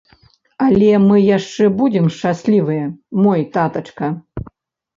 Але мы яшчэ будзем шчаслівыя, мой татачка!